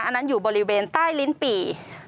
อันนั้นอยู่บริเวณใต้ลิ้นปี่